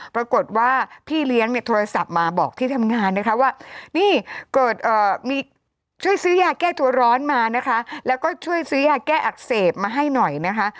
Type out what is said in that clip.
ปรากฏว่าพี่เลี้ยงเนี่ยโทรศัพท์มาบอกที่ทำงานนะคะว่านี่เกิดมีช่วยซื้อยาแก้ตัวร้อนมานะคะแล้วก็ช่วยซื้อยาแก้อักเสบมาให้หน่อยนะคะ